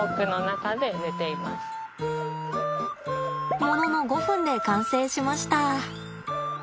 ものの５分で完成しました。